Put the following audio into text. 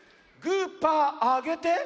グーパーあげて。